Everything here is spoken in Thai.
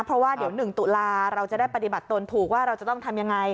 เพราะว่าเดี๋ยว๑ตุลาเราจะได้ปฏิบัติตนถูกว่าเราจะต้องทำยังไง